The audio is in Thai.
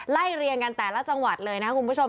ไล่เรียงกันแต่ละจังหวัดเลยนะคุณผู้ชม